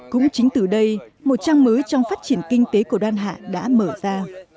cũng chính từ đây một trang mới trong phát triển kinh tế của đoàn hạ đã mở ra